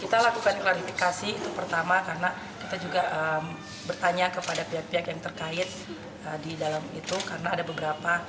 kita lakukan klarifikasi itu pertama karena kita juga bertanya kepada pihak pihak yang terkait di dalam itu karena ada beberapa